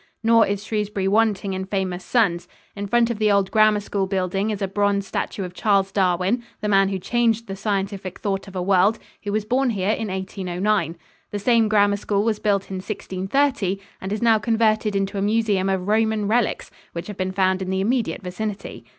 Nor is Shrewsbury wanting in famous sons. In front of the old grammar school building is a bronze statue of Charles Darwin, the man who changed the scientific thought of a world, who was born here in 1809. This same grammar school was built in 1630 and is now converted into a museum of Roman relics, which have been found in the immediate vicinity.